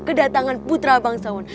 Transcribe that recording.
kedatangan putra bangsawan